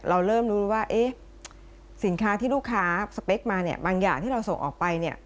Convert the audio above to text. เราเริ่มรู้ว่าสินค้าที่ลูกค้าสเปคมาเนี่ยบางอย่างที่เราส่งออกไปเนี่ย